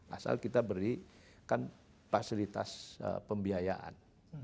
asal kita berikan fasilitas pembiayaan